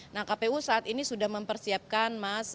nah kpu saat ini sudah mempersiapkan mas